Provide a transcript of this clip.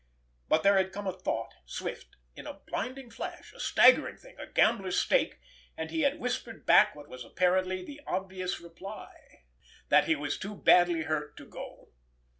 But there had come a thought, swift, in a blinding flash, a staggering thing, a gambler's stake, and he had whispered back what was apparently the obvious reply—that he was too badly hurt to go.